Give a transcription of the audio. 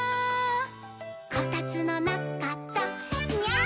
「こたつのなかだニャー」